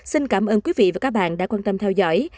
xin cảm ơn quý vị và các bạn đã quan tâm theo dõi